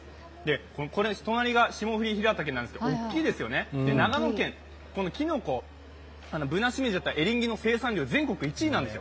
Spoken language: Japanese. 隣が霜降りひらたけなんですが大きいですよね、長野県きのこ、ブナシメジだったりエリンギの生産量全国１位なんですよ。